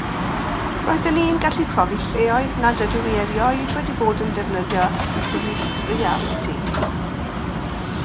Roeddwn i'n gallu profi lleoedd nad ydw i erioed wedi bod yn defnyddio rhith-realiti.